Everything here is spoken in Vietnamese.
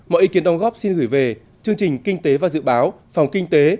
mọi ý kiến đồng góp xin gửi về chương trình kinh tế và dự báo phòng kinh tế